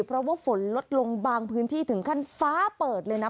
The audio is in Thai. เพราะว่าฝนลดลงบางพื้นที่ถึงขั้นฟ้าเปิดเลยนะ